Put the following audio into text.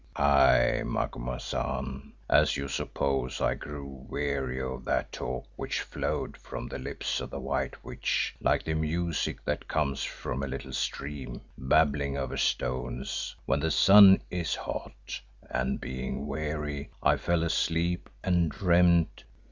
"Aye, Macumazahn, as you suppose I grew weary of that talk which flowed from the lips of the White Witch like the music that comes from a little stream babbling over stones when the sun is hot, and being weary, I fell asleep and dreamed.